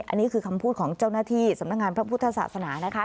อันนี้คือคำพูดของเจ้าหน้าที่สำนักงานพระพุทธศาสนานะคะ